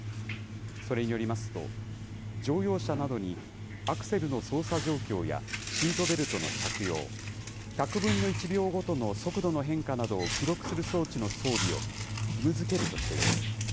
それによりますと、乗用車などにアクセルの操作状況や、シートベルトの着用、１００分の１秒ごとの速度の変化などを記録する装置の装備を義務づけるとしています。